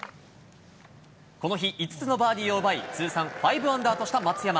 この日５つのバーディーを奪い、通算５アンダーとした松山。